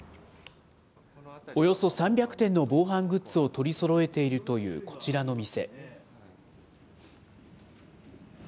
およそ３００点の防犯グッズを取りそろえているというこちらの店。